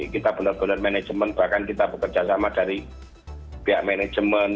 kita benar benar manajemen bahkan kita bekerja sama dari pihak manajemen